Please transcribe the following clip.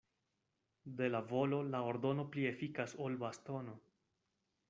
De la volo la ordono pli efikas ol bastono.